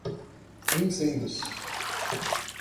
vincendos